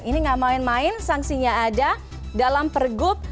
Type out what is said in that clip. ini gak main main sanksinya ada dalam pergub